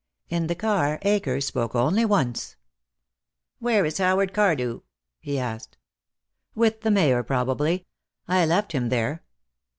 In the car Akers spoke only once. "Where is Howard Cardew?" he asked. "With the Mayor, probably. I left him there."